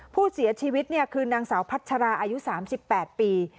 ผู้เสียชีวิตเนี่ยคือนางสาวพัชราอายุสามสิบแปดปี